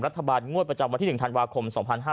งวดประจำวันที่๑ธันวาคม๒๕๕๙